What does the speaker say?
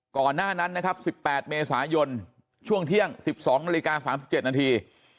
ก่อนหน้านั้นนะครับ๑๘เมษายนช่วงเที่ยง๑๒นาฬิกา๓๗นาที